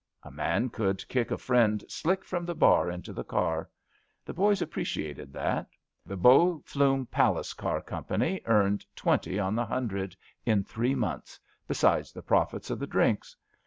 A man could kick a friend slick from the bar into the car. The boys appreciated that. The Bow Flume Palace Car Company earned twenty on the hundred in three months, besides the profits of the drinks.